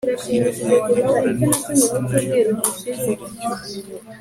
iragenda ihura n'impyisi na yo iyibwira ityo